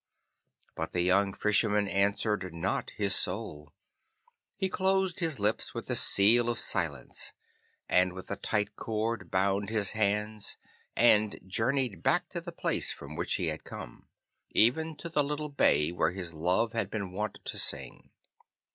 But the young Fisherman answered not his Soul, but closed his lips with the seal of silence and with a tight cord bound his hands, and journeyed back to the place from which he had come, even to the little bay where his love had been wont to sing.